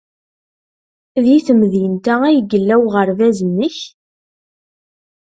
Deg temdint-a ay yella uɣerbaz-nnek?